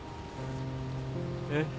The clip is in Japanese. えっ？